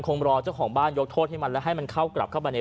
คงรอเจ้าของบ้านยกโทษให้มันแล้วให้มันเข้ากลับเข้าไปใน